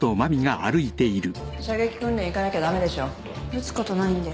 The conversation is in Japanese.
撃つことないんで。